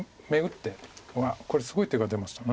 うわっこれすごい手が出ました。